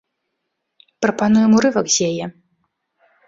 Прапануем урывак з яе.